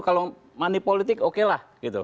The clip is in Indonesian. kalau manipolitik okelah